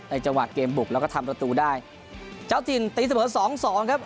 จังหวะเกมบุกแล้วก็ทำประตูได้เจ้าถิ่นตีเสมอสองสองครับ